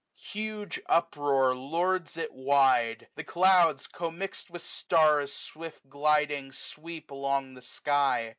Huge uproar lords it wide. The clouds commix'd With stats ewift gliding sweep along the sky.